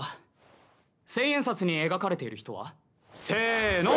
千円札に描かれている人は？せの！